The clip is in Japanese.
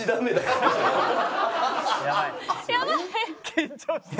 緊張してる！